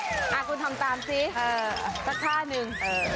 คุณทำตามซิสักท่านึง